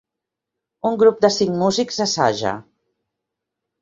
Una grup de cinc músics assaja.